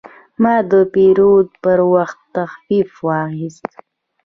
ما د پیرود پر وخت تخفیف واخیست.